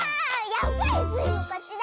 やっぱりスイのかちだ。